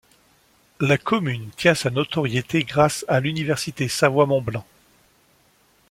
La commune tient sa notoriété grâce à l’Université Savoie Mont Blanc.